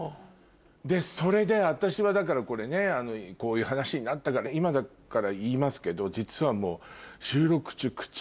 それで私はだからこれねこういう話になったから今だから言いますけど実はもう。